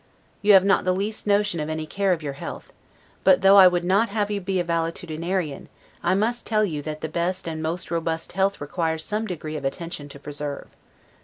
You have not the least notion of any care of your health; but though I would not have you be a valetudinarian, I must tell you that the best and most robust health requires some degree of attention to preserve.